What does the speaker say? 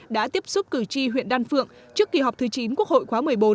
đã tiếp xúc cử tri huyện đan phượng trước kỳ họp thứ chín quốc hội khóa một mươi bốn